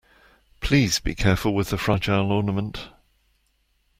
Please be careful with the fragile ornament.